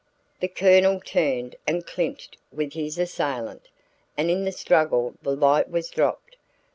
The Colonel turned and clinched with his assailant, and in the struggle the light was dropped.